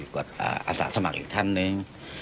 กับอาสาสมัครอีกท่านหนึ่ง